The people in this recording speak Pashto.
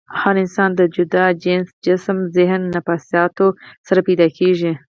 هر انسان د جدا جينز ، جسم ، ذهن او نفسياتو سره پېدا کيږي